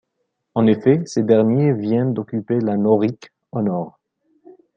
En effet, ces derniers viennent d'occuper la Norique au nord.